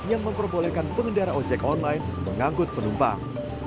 yang memperbolehkan pengendara ojek online menganggut penumpang